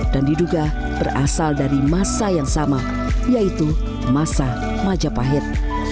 dan diduga berasal dari masa yang sama yaitu masa majapahit